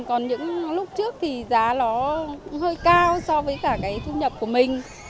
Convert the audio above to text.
còn những lúc trước thì giá nó hơi cao so với cả cái thu nhập của mình